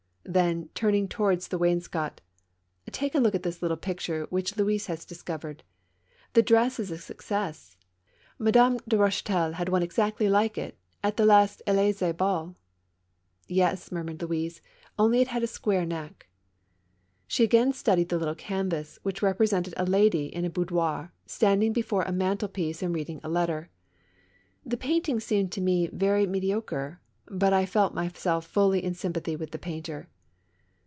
^ Then, turning towards the wainscot :" Take a look at this little picture which Louise has discovered. The dress is a success. Madame de Eoche taille had one exactly like it at the last Llys^e ball." "Yes," murmured Louise; "only it had a square neck." She again studied the little canvas, which represented a lady in a boudoir, standing before a mantlepiece and reading a letter. The painting seemed to me very me diocre, but I felt myself fully in sympathy with the painter.